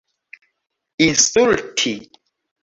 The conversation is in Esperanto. insulti